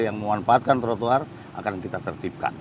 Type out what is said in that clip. yang memanfaatkan trotoar akan kita tertipkan